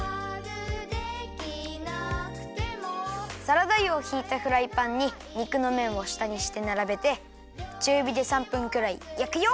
サラダ油をひいたフライパンに肉のめんをしたにしてならべてちゅうびで３分くらいやくよ！